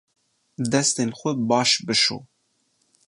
Destên xwe baş bişo.